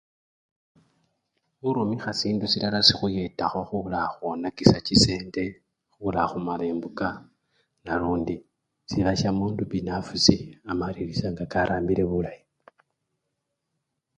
Khurumikha sindu silala sikhuyetaho khula khwonakisha chisende khula khumala embuka nalundi siiba shamundu binafusi amalilisha nga karambile bulayi.